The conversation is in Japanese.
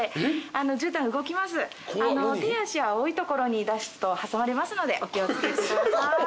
手足は青い所に出すと挟まれますのでお気を付けください。